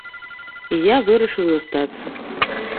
І я вырашыў застацца.